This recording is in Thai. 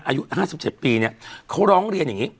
อายุห้าสิบเจ็ดปีเนี้ยเขาร้องเรียนอย่างงี้